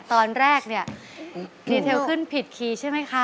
ตอนแรกเนี่ยดีเทลขึ้นผิดคีย์ใช่ไหมคะ